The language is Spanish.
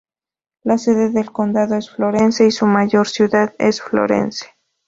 La sede del condado es Florence, y su mayor ciudad es Florence.